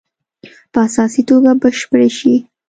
په اساسي توګه بشپړې شي.